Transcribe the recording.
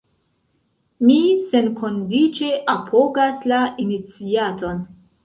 Mi senkondiĉe apogas la iniciaton.